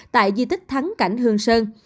tại di tích thắng cảnh hương sơn